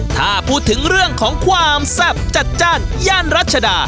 ถ้าพูดถึงเรื่องของความแซ่บจัดจ้านย่านรัชดา